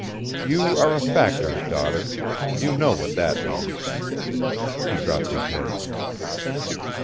You are a Factor's daughter; you know what that means." He dropped his head.